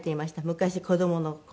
昔子どもの頃。